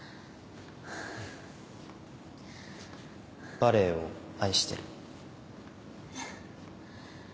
「バレエを愛してる」えっ。